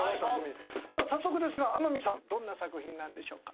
さあ早速ですが天海さんどんな作品なんでしょうか。